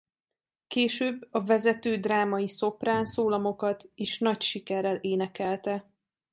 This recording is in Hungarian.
Később a vezető drámai szoprán szólamokat is nagy sikerrel énekelte.